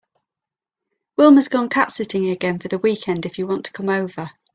Wilma’s gone cat sitting again for the weekend if you want to come over.